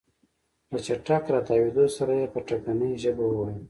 له چټک راتاوېدو سره يې په ټکنۍ ژبه وويل.